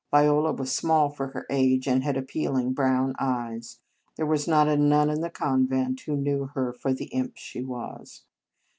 Viola was small for her age, and had appealing brown eyes. There was not a nun in the convent who knew her for the imp she was.